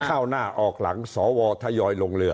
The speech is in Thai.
เข้าหน้าออกหลังสวทยอยลงเรือ